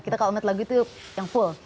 kita kalau melihat lagu itu yang full